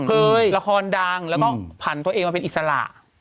ละครดังแล้วก็ผ่านตัวเองมาเป็นอิสระ